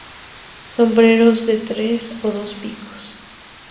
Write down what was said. Sombreros de tres o dos picos.